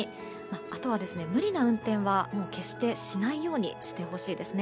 あとは無理な運転は決してしないようにしてほしいですね。